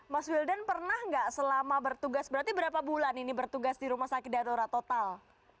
mas wildan pernah nggak selama bertugas berarti berapa bulan ini bertugas di rumah sakit darurat total